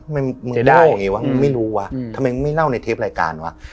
ไม่รู้ว่ามันเป็นโลกยังไงวะทำไมไม่เล่าในเทปรายการวะ